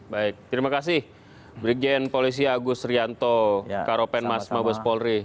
baik terima kasih brigjen polisi agus rianto karopen mas mabes polri